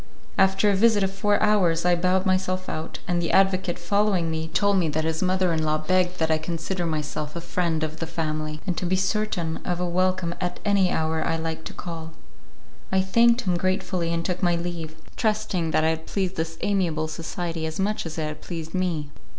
After a visit of four hours I bowed myself out, and the advocate, following me, told me that his mother in law begged me to consider myself as a friend of the family, and to be certain of a welcome at any hour I liked to call. I thanked him gratefully and took my leave, trusting that I had pleased this amiable society as much as it had pleased me.